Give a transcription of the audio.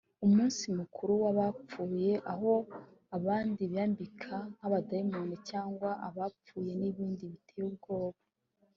umunsi mukuru w’abapfuye aho abandi biyambika nk’amadayimoni cyangwa abapfuye n’ibindi biteye ubwoba